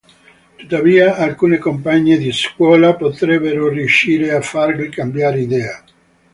Tuttavia alcune compagne di scuola potrebbero riuscire a fargli cambiare idea.